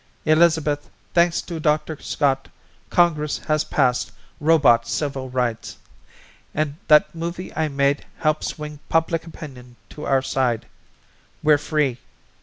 Elizabeth, thanks to Dr. Scott, Congress has passed Robot Civil Rights! And that movie I made helped swing public opinion to our side. We're free!